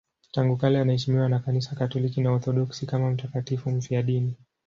Tangu kale anaheshimiwa na Kanisa Katoliki na Waorthodoksi kama mtakatifu mfiadini.